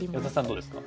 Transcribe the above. どうですか？